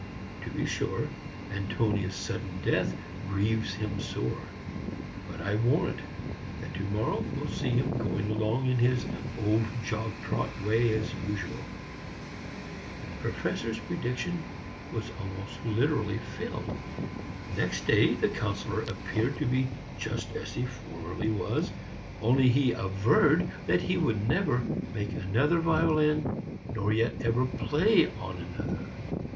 To be sure, Antonia's sudden death grieves him sore, but I warrant that to morrow will see him going along in his old jog trot way as usual." And the Professor's prediction was almost literally filled. Next day the Councillor appeared to be just as he formerly was, only he averred that he would never make another violin, nor yet ever play on another.